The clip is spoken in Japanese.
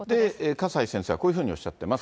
笠井先生はこういうふうにおっしゃってます。